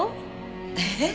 えっ？